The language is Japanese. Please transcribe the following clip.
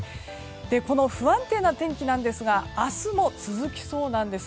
この不安定な天気なんですが明日も続きそうなんです。